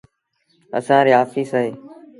اسآݩ ريٚ آڦيٚس اهي۔